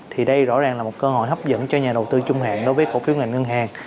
thì đây rõ ràng là một cơ hội hấp dẫn cho nhà đầu tư trung hạn đối với cổ phiếu ngành ngân hàng